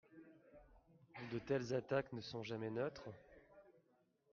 De telles attaques ne sont jamais neutres.